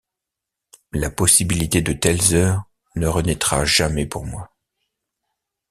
La possibilité de telles heures ne renaîtra jamais pour moi.